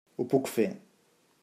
Ho puc fer.